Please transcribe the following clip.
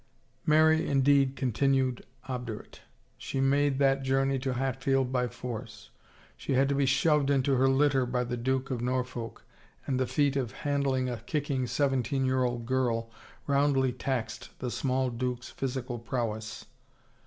Mary indeed continued obdurate. She made that journey to Hatfield by force ; she had to be shoved into her litter by the Duke of Norfolk and the feat of han dling a kicking seventeen year old girl roundly taxed the small duke's physical prowess.